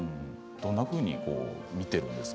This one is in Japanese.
どんなふうに見ているんですか？